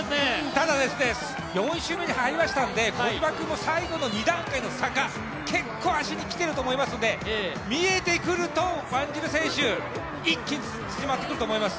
ただ、４周目に入りましたので小島君も最後の２段階の坂結構足に来ていると思いますので、見えてくるとワンジル選手、一気に縮まってくると思います。